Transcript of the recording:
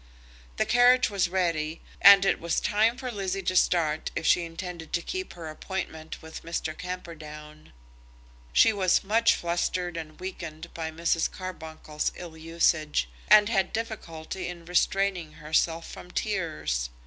The carriage was ready, and it was time for Lizzie to start if she intended to keep her appointment with Mr. Camperdown. She was much flustered and weakened by Mrs. Carbuncle's ill usage, and had difficulty in restraining herself from tears.